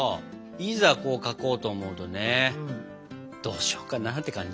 いざこう書こうと思うとねどうしようかなって感じ。